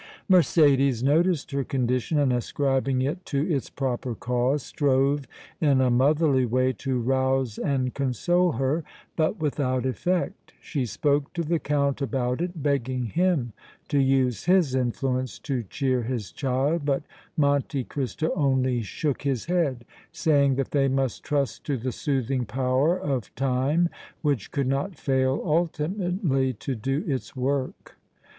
Mercédès noticed her condition, and, ascribing it to its proper cause, strove in a motherly way to rouse and console her, but without effect. She spoke to the Count about it, begging him to use his influence to cheer his child, but Monte Cristo only shook his head, saying that they must trust to the soothing power of time which could not fail ultimately to do its work.